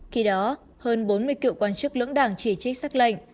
khi đó hơn bốn mươi cựu quan chức lưỡng đảng chỉ trích xác lệnh